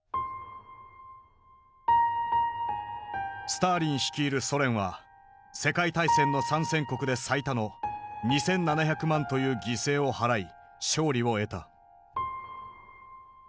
スターリン率いるソ連は世界大戦の参戦国で最多の２，７００万という犠牲を払い勝利を得た。